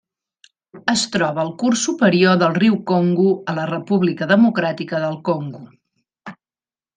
Es troba al curs superior del riu Congo a la República Democràtica del Congo.